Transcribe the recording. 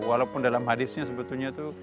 walaupun dalam hadisnya sebetulnya tuh